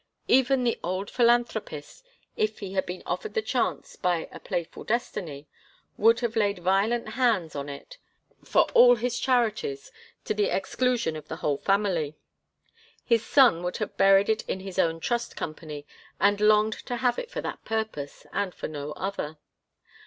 Even the old philanthropist, if he had been offered the chance by a playful destiny, would have laid violent hands on it all for his charities, to the exclusion of the whole family. His son would have buried it in his own Trust Company, and longed to have it for that purpose, and for no other.